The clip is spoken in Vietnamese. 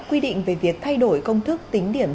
quy định về việc thay đổi công thức tính điểm